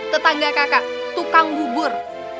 tetangga kakak tukang gugur